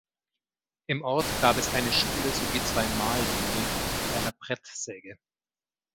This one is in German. Im Ort gab es eine Schule sowie zwei Mahlmühlen mit einer Brettsäge.